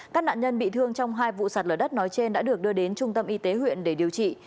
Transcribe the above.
các nạn nhân bị thương trong hai vụ sạt lở đất nói trên đã được đưa đến trung tâm y tế huyện để điều trị